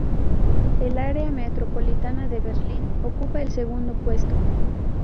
El área metropolitana de Berlín ocupa el segundo puesto.